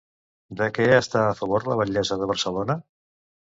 De què està a favor la batllessa de Barcelona?